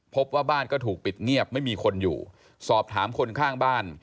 พบว่าบ้านก็ถูกปิดเงียบไม่มีคนอยู่สอบถามคนข้างบ้าน